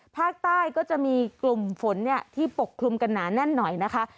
ภาคใต้ก็จะมีกลุ่มฝนที่ปกคลุมกันหนาแน่นหน่อยนะคะ